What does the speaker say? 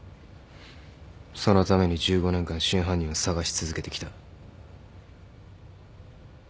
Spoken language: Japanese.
そのために１５年間真犯人を捜し続けてきた。